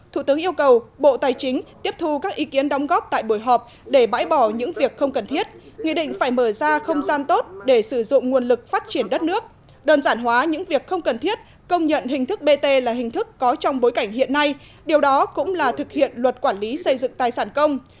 thủ tướng yêu cầu bộ tài chính tiếp thu các ý kiến đóng góp tại buổi họp để bãi bỏ những việc không cần thiết nghị định phải mở ra không gian tốt để sử dụng nguồn lực phát triển đất nước đơn giản hóa những việc không cần thiết công nhận hình thức bt là hình thức có trong bối cảnh hiện nay điều đó cũng là thực hiện luật quản lý xây dựng tài sản công